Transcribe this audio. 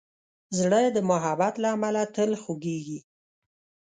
زړه د محبت له امله تل خوږېږي.